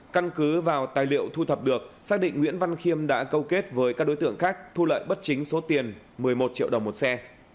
căn cứ vào tài liệu thu thập được xác định nguyễn văn khiêm đã câu kết với các đối tượng khác thu lợi bất chính số tiền một mươi một triệu đồng một xe